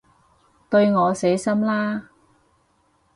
對我死心啦